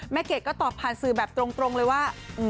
เกดก็ตอบผ่านสื่อแบบตรงเลยว่า